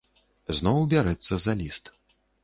Зноў бярэцца за ліст.